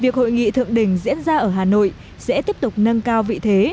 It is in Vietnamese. việc hội nghị thượng đỉnh diễn ra ở hà nội sẽ tiếp tục nâng cao vị thế